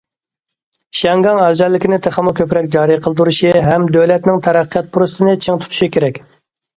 شياڭگاڭ ئەۋزەللىكىنى تېخىمۇ كۆپرەك جارى قىلدۇرۇشى ھەم دۆلەتنىڭ تەرەققىيات پۇرسىتىنى چىڭ تۇتۇشى كېرەك.